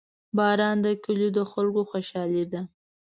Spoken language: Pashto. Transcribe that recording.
• باران د کلیو د خلکو خوشحالي ده.